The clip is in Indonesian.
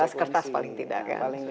di atas kertas paling tidak kan